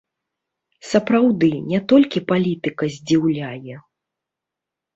Сапраўды, не толькі палітыка здзіўляе.